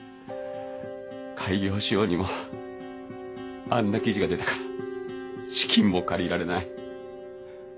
開業しようにもあんな記事が出たから資金も借りられない。